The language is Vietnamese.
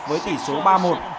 với tỷ số ba một